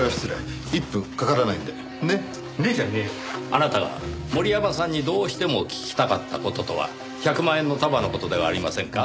あなたが森山さんにどうしても聞きたかった事とは１００万円の束の事ではありませんか？